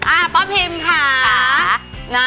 อ่าป๊าพิมค่ะ